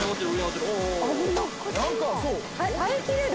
耐えきれる？